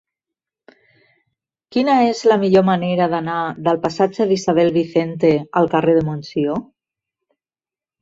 Quina és la millor manera d'anar del passatge d'Isabel Vicente al carrer de Montsió?